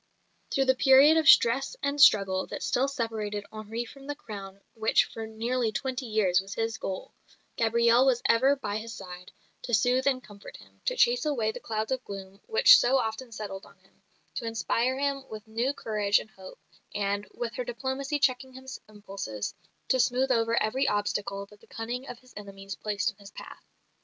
Through the period of stress and struggle that still separated Henri from the crown which for nearly twenty years was his goal, Gabrielle was ever by his side, to soothe and comfort him, to chase away the clouds of gloom which so often settled on him, to inspire him with new courage and hope, and, with her diplomacy checking his impulses, to smooth over every obstacle that the cunning of his enemies placed in his path.